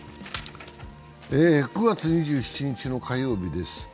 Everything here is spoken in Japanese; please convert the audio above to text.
９月２７日の火曜日です。